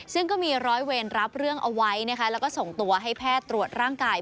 ซึ่งก็มีร้อยเวรรับเรื่องเอาไว้นะคะแล้วก็ส่งตัวให้แพทย์ตรวจร่างกาย